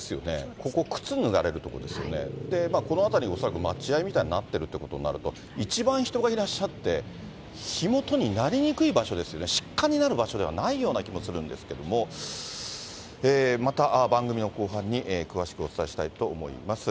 ここ靴脱がれる所ですよね、この辺り、恐らく待合みたいになっているということになると、一番人がいらっしゃって、火元になりにくい場所ですよね、失火になる場所ではないような気がするんですけども、また番組の後半に詳しくお伝えしたいと思います。